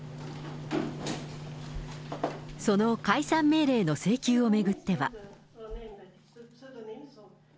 その解散命令の請求を巡っては。